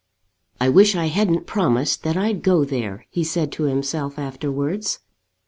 "I wish I hadn't promised that I'd go there," he said to himself afterwards.